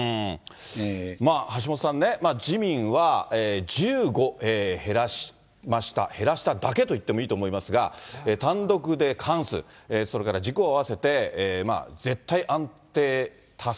まあ橋下さんね、自民は１５減らしました、減らしただけといってもいいと思いますが、単独で過半数、それから自公合わせて絶対安定多数。